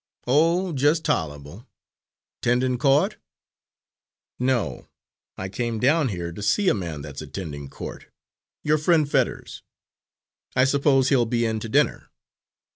"Oh, just tol'able. Tendin' co't?" "No, I came down here to see a man that's attending court your friend Fetters. I suppose he'll be in to dinner."